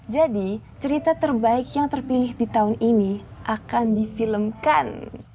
jadi cerita terbaik yang terpilih di tahun ini akan difilmkan